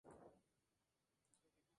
En la actualidad, vive en Torrejón de Ardoz.